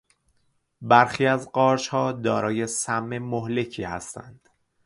برخی از قارچها دارای سم مهلکی هستند.